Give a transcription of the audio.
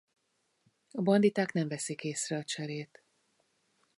A banditák nem veszik észre a cserét.